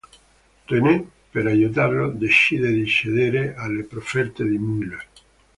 Renee, per aiutarlo, decide di cedere alle profferte di Muller.